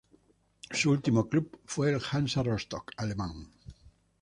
Su último club fue el Hansa Rostock alemán.